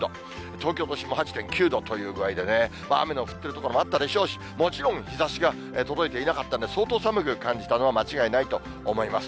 東京都心も８．９度という具合でね、雨の降ってる所もあったでしょうし、もちろん日ざしが届いていなかったんで、相当寒く感じたのは間違いないと思います。